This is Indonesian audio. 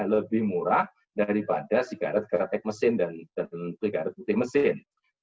lebih murah daripada sigaret karetek mesin dan sigaret putih mesin